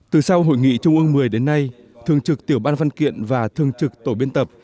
từ sau hội nghị trung ương một mươi đến nay thường trực tiểu ban văn kiện và thường trực tổ biên tập